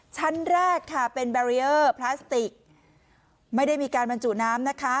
ชั้นแรกค่ะเป็นแบรีเออร์พลาสติกไม่ได้มีการบรรจุน้ำนะคะ